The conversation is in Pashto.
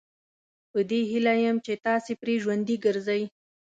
په دې هیله یم چې تاسي پرې ژوندي ګرځئ.